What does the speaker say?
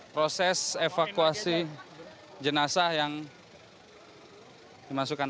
proses evakuasi jenazah yang dimasukkan